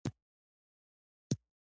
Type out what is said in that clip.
ایا زه باید په وخت ډوډۍ وخورم؟